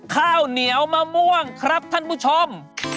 ข้าวเหนียวมะม่วงครับท่านผู้ชม